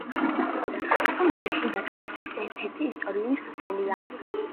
წუნარი შიდა ქართლის ერთ-ერთი ისტორიული სოფელია.